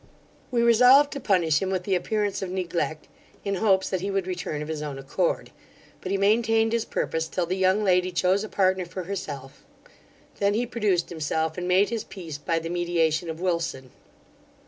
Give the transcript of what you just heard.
We resolved to punish him with the appearance of neglect, in hopes that he would return of his own accord; but he maintained his purpose till the young lady chose a partner for herself; then he produced himself, and made his peace by the mediation of Wilson.